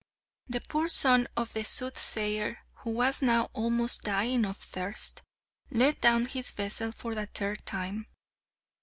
The poor son of the Soothsayer, who was now almost dying of thirst, let down his vessel for a third time.